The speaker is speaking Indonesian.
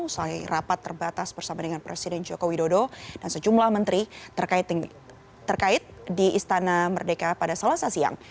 usai rapat terbatas bersama dengan presiden joko widodo dan sejumlah menteri terkait di istana merdeka pada selasa siang